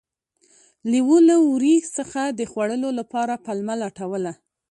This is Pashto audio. لیوه له وري څخه د خوړلو لپاره پلمه لټوله.